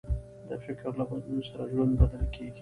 د فکر له بدلون سره ژوند بدل کېږي.